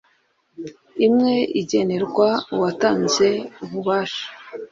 imwe igenerwa uwatanze ububasha,